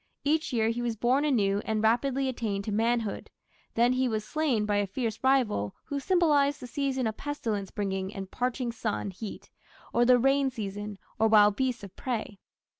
Each year he was born anew and rapidly attained to manhood; then he was slain by a fierce rival who symbolized the season of pestilence bringing and parching sun heat, or the rainy season, or wild beasts of prey.